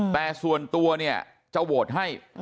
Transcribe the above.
แต่ส่วนตัวเนี่ยจะโหวตให้